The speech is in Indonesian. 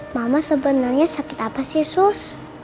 mama sebenarnya sakit apa sih sus